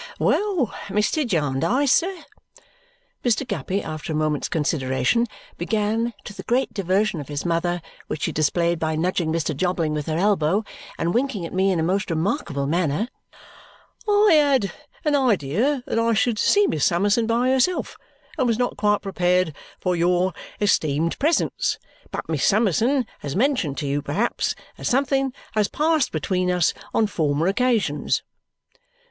"Well, Mr. Jarndyce, sir," Mr. Guppy, after a moment's consideration, began, to the great diversion of his mother, which she displayed by nudging Mr. Jobling with her elbow and winking at me in a most remarkable manner, "I had an idea that I should see Miss Summerson by herself and was not quite prepared for your esteemed presence. But Miss Summerson has mentioned to you, perhaps, that something has passed between us on former occasions?"